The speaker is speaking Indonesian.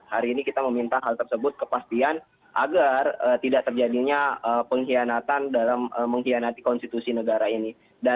hari ini kita meminta hal tersebut kepastian agar tidak terjadinya pengkhianatan dalam mengkhianati konstitusi negara ini